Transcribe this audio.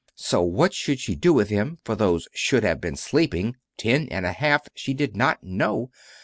So what she should do with him for those should have been sleeping ten minutes and a half, she did not know.